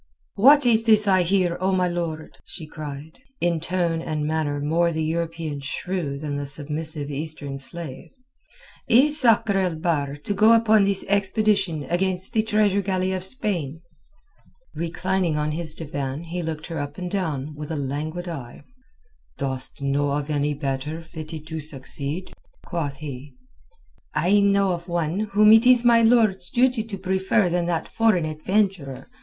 "What is this I hear, O my lord?" she cried, in tone and manner more the European shrew than the submissive Eastern slave. "Is Sakr el Bahr to go upon this expedition against the treasure galley of Spain?" Reclining on his divan he looked her up and down with a languid eye. "Dost know of any better fitted to succeed?" quoth he. "I know of one whom it is my lord's duty to prefer to that foreign adventurer.